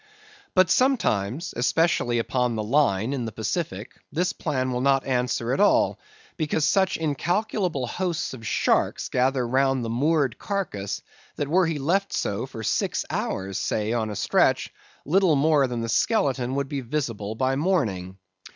But sometimes, especially upon the Line in the Pacific, this plan will not answer at all; because such incalculable hosts of sharks gather round the moored carcase, that were he left so for six hours, say, on a stretch, little more than the skeleton would be visible by morning.